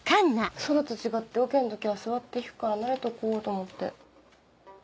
ソロと違ってオケの時は座って弾くから慣れとこうと思って。